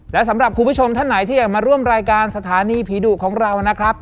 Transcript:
และสำหรับคุณผู้ชมท่านไหนที่อยากมาร่วมรายการสถานีผีดุของเรานะครับ